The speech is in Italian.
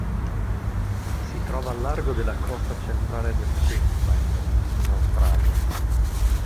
Si trova al largo della costa centrale del Queensland, in Australia.